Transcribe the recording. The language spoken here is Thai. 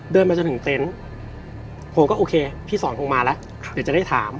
มาจนถึงเต็นต์ผมก็โอเคพี่สอนคงมาแล้วเดี๋ยวจะได้ถาม